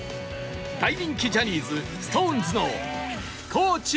大人気ジャニーズ ＳｉｘＴＯＮＥＳ の地優吾